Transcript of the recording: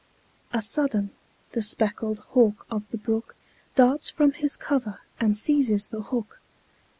A sudden, the speckled hawk of the brook Darts from his cover and seizes the hook.